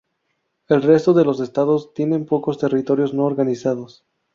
El resto de los estados tienen pocos territorios no organizados.